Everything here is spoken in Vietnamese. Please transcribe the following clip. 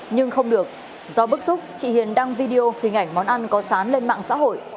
nhưng không được do bức xúc chị hiền đăng video hình ảnh món ăn có sán lên mạng xã hội